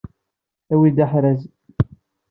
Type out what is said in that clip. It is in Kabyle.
Awi-d aḥraz.